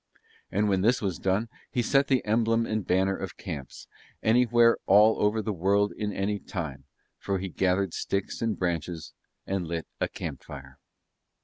And when this was done he set the emblem and banner of camps, anywhere all over the world in any time, for he gathered sticks and branches and lit a camp fire.